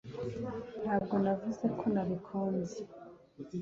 ntabwo navuze ko nabikunze